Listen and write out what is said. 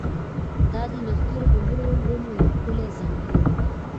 دا د نښترو د لوړو ونو یو ښکلی ځنګل و